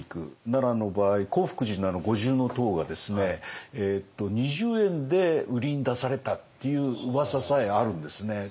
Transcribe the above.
奈良の場合興福寺の五重塔が２０円で売りに出されたっていう噂さえあるんですね。